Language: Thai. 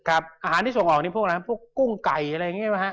อาหารที่ส่งออกนี่พวกอะไรครับพวกกุ้งไก่อะไรอย่างนี้มั้ยครับ